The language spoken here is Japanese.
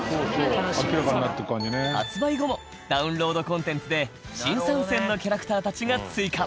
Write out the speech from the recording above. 発売後もダウンロードコンテンツで新参戦のキャラクターたちが追加